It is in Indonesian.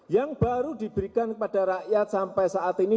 yang baru diberikan kepada rakyat sampai saat ini